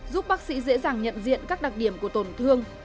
giúp bác sĩ dễ dàng nhận diện các đặc điểm của tổn thương